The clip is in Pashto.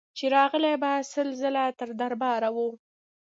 چي راغلې به سل ځله تر دربار وه